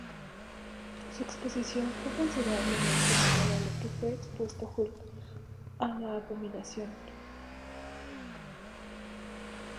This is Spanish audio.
Su exposición fue considerablemente menor a la que fue expuesto Hulk o la Abominación.